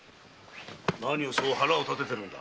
何をそう腹を立てている？